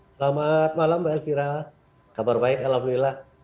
selamat malam mbak elvira kabar baik alhamdulillah